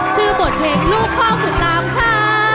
ชื่อบทเพลงลูกพ่อขุนน้ำค่ะ